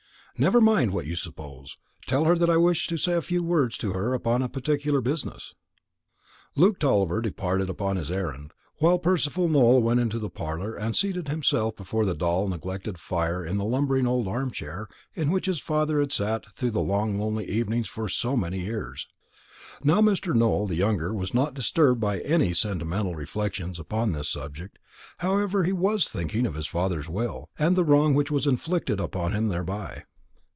"Never mind what you suppose. Tell her that I wish to say a few words to her upon particular business." Luke Tulliver departed upon his errand, while Percival Nowell went into the parlour, and seated himself before the dull neglected fire in the lumbering old arm chair in which his father had sat through the long lonely evenings for so many years. Mr. Nowell the younger was not disturbed by any sentimental reflections upon this subject, however; he was thinking of his father's will, and the wrong which was inflicted upon him thereby.